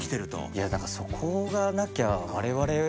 いやだからそこがなきゃ我々は。